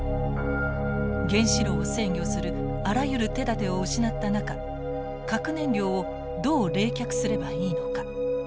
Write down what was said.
原子炉を制御するあらゆる手だてを失った中核燃料をどう冷却すればいいのか。